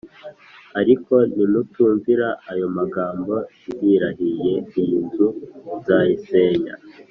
Ariko nimutumvira ayo magambo ndirahiye iyi nzu nzayisenya